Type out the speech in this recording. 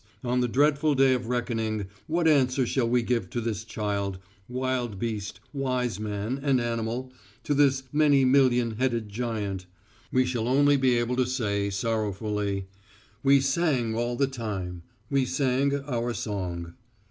On the dreadful day of reckoning what answer shall we give to this child, wild beast, wise man, and animal, to this many million headed giant?" We shall only be able to say sorrowfully, "We sang all the time. We sang our song."